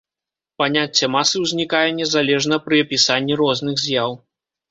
Паняцце масы ўзнікае незалежна пры апісанні розных з'яў.